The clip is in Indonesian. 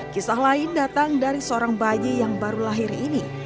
kisah lain datang dari seorang bayi yang baru lahir ini